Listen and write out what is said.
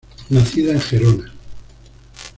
Nacida en Gerona.